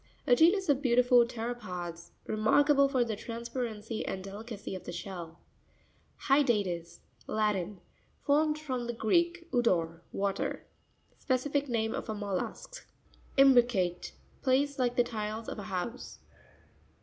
A genus of beautiful ptero pods, remarkable for the trans parency and delicacy of the shell (page 67). Hypa'ris.—Latin. Formed from the Greek, udor, water. Specific name of a mollusk. Im'BricaTE.—Placed like the tiles of a house.